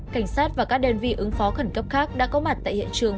cảnh sát và các đơn vị ứng phó khẩn cấp khác đã có mặt tại hiện trường